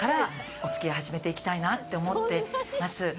お付き合い始めていきたいなと思ってます。